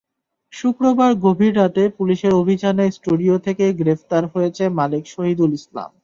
শুক্রবার গভীর রাতে পুলিশের অভিযানে স্টুডিও থেকেই গ্রেপ্তার হয়েছেন মালিক শহীদুল ইসলাম।